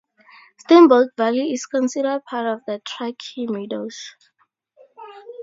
Steamboat Valley is considered part of the Truckee Meadows.